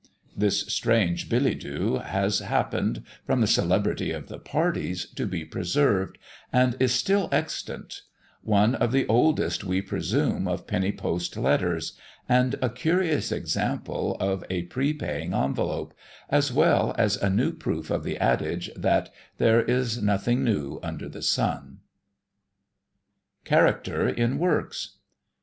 This strange billet doux has happened, from the celebrity of the parties, to be preserved, and is still extant: one of the oldest, we presume, of penny post letters, and a curious example of a pre paying envelope as well as a new proof of the adage, that "there is nothing new under the sun." CHARACTER IN WORKS.